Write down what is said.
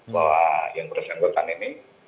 bahwa yang beresan buatan ini